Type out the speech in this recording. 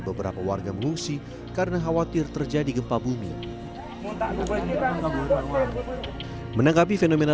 beberapa warga mengungsi karena khawatir terjadi gempa bumi menanggapi fenomena